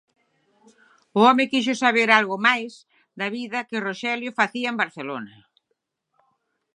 O home quixo saber algo máis da vida que Roxelio facía en Barcelona.